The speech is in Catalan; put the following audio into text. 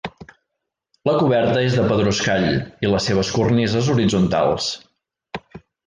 La coberta és de pedruscall i les seves cornises horitzontals.